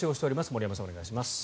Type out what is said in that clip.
森山さん、お願いします。